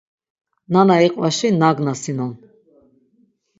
Nana iqvaşi nagnaginon.